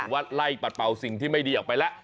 วัดไล่ปัดเป่าสิ่งที่ไม่ดีออกไปแล้ว